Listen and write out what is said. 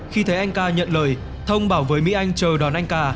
khi thấy anh ca nhận lời thông bảo với mỹ anh chờ đón anh cà